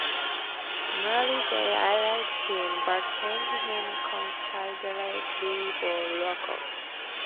Murray said I liked him, but changed him considerably for Rocko.